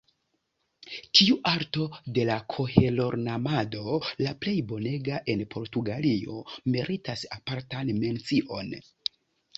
Tiu arto de kahelornamado – la plej bonega en Portugalio – meritas apartan mencion.